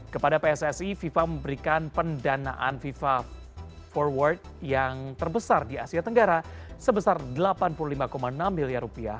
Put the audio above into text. kepada pssi fifa memberikan pendanaan fifa forward yang terbesar di asia tenggara sebesar rp delapan puluh lima enam miliar